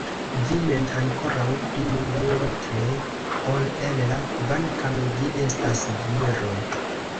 Vi mem ankoraŭ pli malmulte ol Ella kvankam vi estas viro!